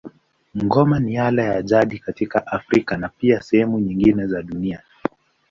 Ngoma ni ala ya jadi katika Afrika na pia sehemu nyingine za dunia.